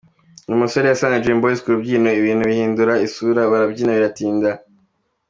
Uyu musore yasanze Dream Boys ku rubyiniro, ibintu bihindura isura barabyina biratinda.